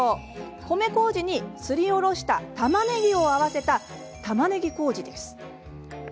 米こうじにすりおろしたたまねぎを合わせたたまねぎこうじです。